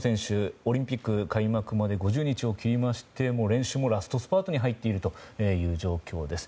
オリンピック開幕まで５０日を切りまして練習もラストスパートに入っているという状況です。